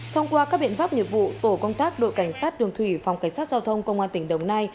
thông qua các biện pháp nghiệp vụ tổ công tác đội cảnh sát đường thủy phòng cảnh sát giao thông công an tỉnh đồng nai